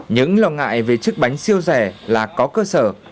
những lo ngại về chiếc bánh siêu rẻ là có cơ sở